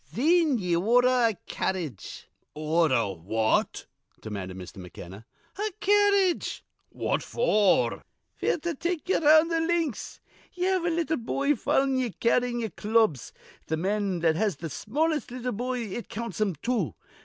Thin ye ordher a carredge" "Order what?" demanded Mr. McKenna. "A carredge." "What for?" "F'r to take ye 'round th' links. Ye have a little boy followin' ye, carryin' ye'er clubs. Th' man that has th' smallest little boy it counts him two.